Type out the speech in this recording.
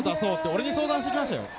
俺に相談してきましたよ。